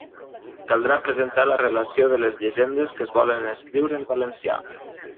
Caldrà presentar la relació de les llegendes que es volen escriure en valencià.